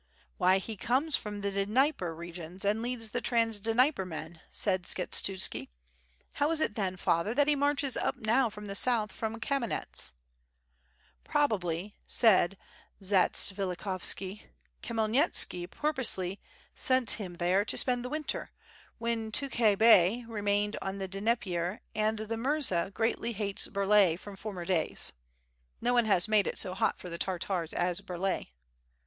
*'Why, he comes from the Dnieper regions and leads the Trans Dnieper men," said Skshetuski, "how is it then, father, that he marches up now from the south from Kamenets?" "Probably," said Zatsvilikhovski. "Khmyelnitski pur posely sent him there to spend the winter, when Tukhay Bey remained on the Dnieper and the Murza greatly hates liurlay from former days. No one has made it so hot for the Tartars as Burlay."